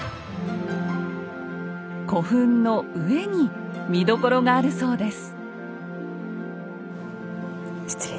古墳の上に見どころがあるそうです。